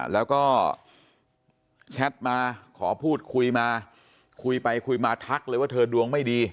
แล้วก็แชทมาขอพูดคุยมาคุยไปคุยมาทักเลยว่าเธอดวงไม่ดี